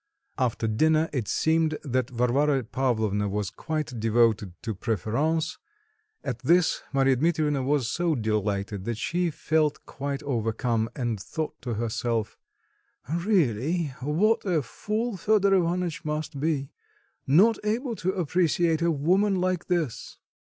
After dinner it seemed that Varvara Pavlovna was quite devoted to preference; at this Marya Dmitrievna was so delighted that she felt quite overcome, and thought to herself, "Really, what a fool Fedor Ivanitch must be; not able to appreciate a woman like this!"